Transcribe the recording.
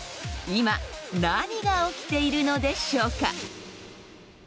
いま何が起きているのでしょうか。